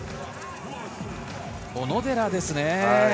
小野寺ですね。